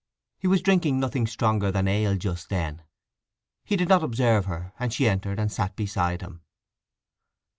He was drinking nothing stronger than ale just then. He did not observe her, and she entered and sat beside him.